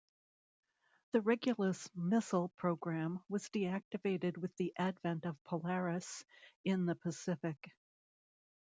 The Regulus missile program was deactivated with the advent of Polaris in the Pacific.